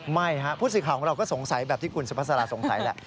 ไม่ฮะผู้สิทธิ์ขาวของเราก็สงสัยแบบที่กุลสุพรศราสตร์สงสัยแล้ว